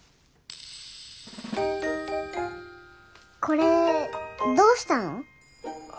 これどうしたの？